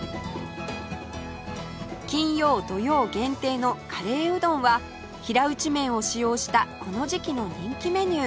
金曜土曜限定のカレーうどんは平打ち麺を使用したこの時期の人気メニュー